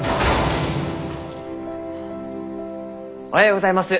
おはようございます。